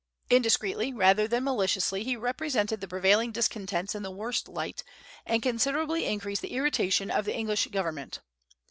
Indiscreetly, rather than maliciously, he represented the prevailing discontents in the worst light, and considerably increased the irritation of the English government.